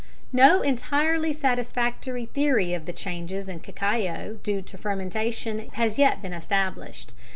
_ No entirely satisfactory theory of the changes in cacao due to fermentation has yet been established.